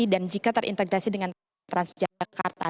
dan jika terintegrasi dengan transjakarta